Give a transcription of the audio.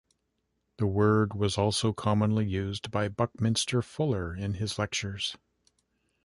The word was also commonly used by Buckminster Fuller in his lectures.